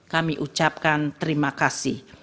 kami ucapkan terima kasih